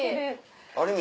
ある意味